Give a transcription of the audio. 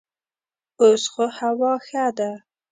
اوس خو هوا ښه ده.